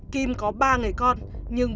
kim có ba người con